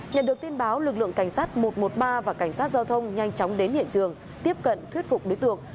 nhận được tin báo lực lượng cảnh sát một trăm một mươi ba và cảnh sát giao thông nhanh chóng đến hiện trường tiếp cận thuyết phục đối tượng